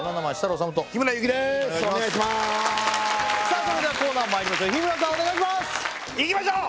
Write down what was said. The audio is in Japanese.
さあそれではコーナーまいりましょう日村さんお願いしますいきましょう！